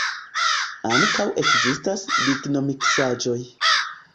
Ankaŭ ekzistas lignomiksaĵoj.